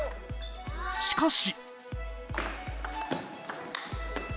しかし。